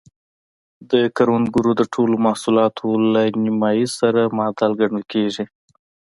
د کروندګرو د ټولو محصولاتو له نییمایي سره معادل ګڼل کېدل.